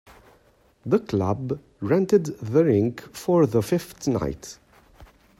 The club rented the rink for the fifth night.